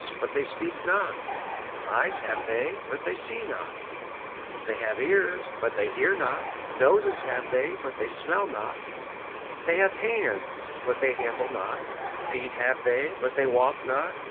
And again, 'Eyes have they, but they see not; they have ears, but they hear not; noses have they, but they smell not; they have hands, but they handle not; feet have they, but they walk not.